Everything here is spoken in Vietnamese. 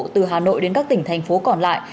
từ hà nội đến các tỉnh thành phố còn lại